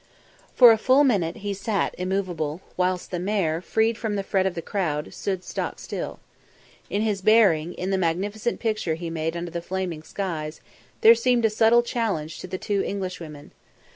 For a full minute he sat immovable, whilst the mare, freed from the fret of the crowd, stood stock still. In his bearing, in the magnificent picture he made under the flaming skies, there seemed a subtle challenge to the two Englishwomen.